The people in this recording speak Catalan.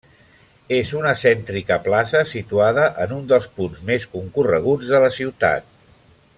És una cèntrica plaça situada en un dels punts més concorreguts de la ciutat.